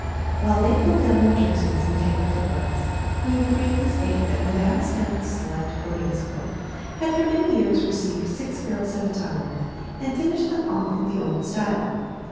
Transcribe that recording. While they pull down their jerseys and take up their books, we will briefly state that Madame Stein's select boarding school had for many years received six girls at a time, and finished them off in the old style.